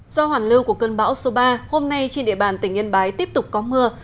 do hoàn lưu của cơn bão số ba hôm nay trên địa bàn tỉnh yên bái tiếp tục có mưa